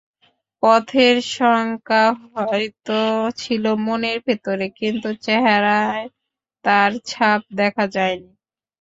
পথের শঙ্কা হয়তো ছিল মনের ভেতরে, কিন্তু চেহারায় তার ছাপ দেখা যায়নি।